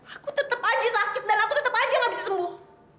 aku tetep aja sakit dan aku tetap aja gak bisa sembuh